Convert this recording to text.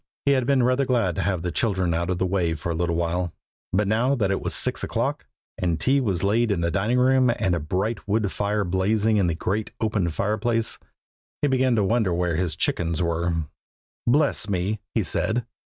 He had been rather glad to have the children out of the way for a little while, but now that it was six o'clock, and tea was laid in the dining room, and a bright wood fire blazing in the great open fireplace, he began to wonder where his chickens were. "Bless me!" he said.